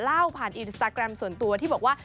เล่าผ่านอินสตาแกรมส่วนตัวที่บอกว่า